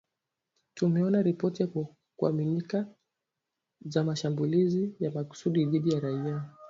Tumeona ripoti za kuaminika za mashambulizi ya makusudi dhidi ya raia